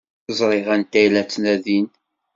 Ẓriɣ anta ay la ttnadin.